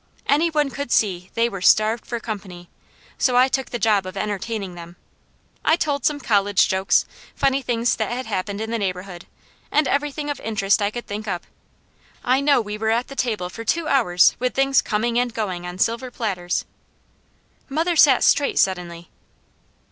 Any one could see they were starved for company, so I took the job of entertaining them. I told some college jokes, funny things that had happened in the neighbourhood, and everything of interest I could think up. I know we were at the table for two hours with things coming and going on silver platters." Mother sat straight suddenly.